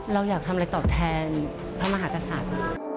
เราอยากทำอะไรตอบแทนพระมหากษัตริย์